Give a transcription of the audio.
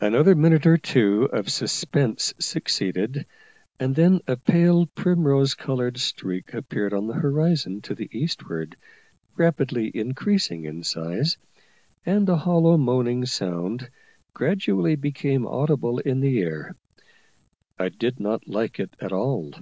Another minute or two of suspense succeeded, and then a pale, primrose coloured streak appeared on the horizon to the eastward, rapidly increasing in size, and a hollow moaning sound gradually became audible in the air. I did not like it at all.